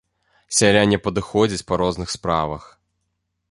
Сяляне падыходзяць па розных справах.